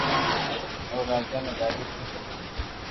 او راجا تي ڌاڌي خوݾ ھتي